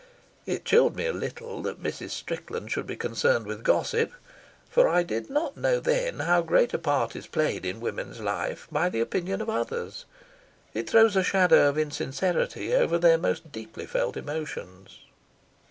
It chilled me a little that Mrs. Strickland should be concerned with gossip, for I did not know then how great a part is played in women's life by the opinion of others. It throws a shadow of insincerity over their most deeply felt emotions.